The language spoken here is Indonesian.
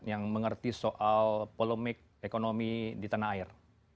yang mengerti soal polemik ekonomi di tanah air